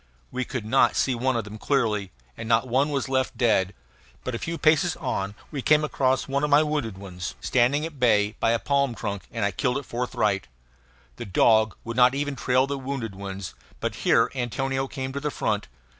We could not see one of them clearly; and not one was left dead. But a few paces on we came across one of my wounded ones, standing at bay by a palm trunk; and I killed it forthwith. The dog would not even trail the wounded ones; but here Antonio came to the front.